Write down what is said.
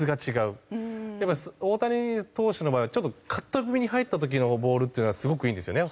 やっぱり大谷投手の場合はちょっとカット気味に入った時のボールっていうのがすごくいいんですよね。